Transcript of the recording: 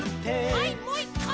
はいもう１かい！